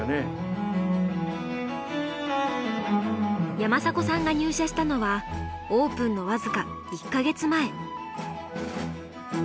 山迫さんが入社したのはオープンのわずか１か月前。